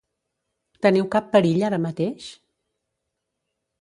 Teniu cap perill ara mateix?